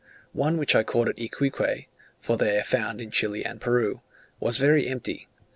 One which I caught at Iquique, (for they are found in Chile and Peru,) was very empty.